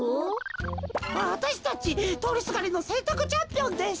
わたしたちとおりすがりのせんたくチャンピオンです。